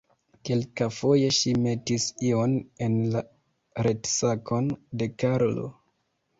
Kelkafoje ŝi metis ion en la retsakon de Karlo.